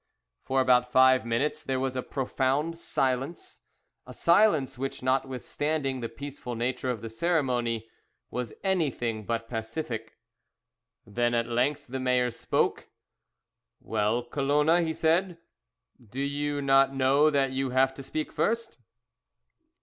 For about five minutes there was a profound silence, a silence which, notwithstanding the peaceful nature of the ceremony, was anything but pacific. Then at length the mayor spoke. "Well, Colona," he said, "do you not know that you have to speak first?"